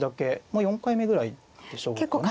もう４回目ぐらいでしょうかね。